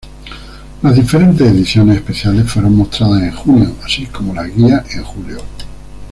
Las diferentes ediciones especiales fueron mostradas en junio, así como las guías en julio.